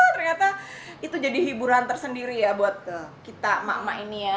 oh ternyata itu jadi hiburan tersendiri ya buat kita emak emak ini ya